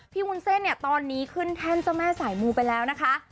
วุ้นเส้นเนี่ยตอนนี้ขึ้นแท่นเจ้าแม่สายมูไปแล้วนะคะ